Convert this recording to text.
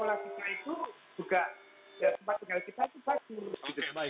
oke baik pak separto